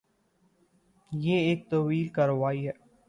یہ ایک طویل کارروائی ہے۔